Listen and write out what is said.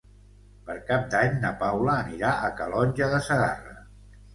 Per Cap d'Any na Paula anirà a Calonge de Segarra.